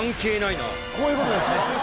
こういうことです